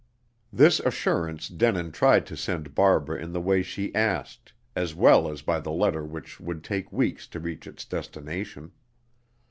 This assurance Denin tried to send Barbara in the way she asked, as well as by the letter which would take weeks to reach its destination.